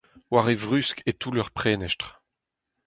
war e vrusk e toull ur prenestr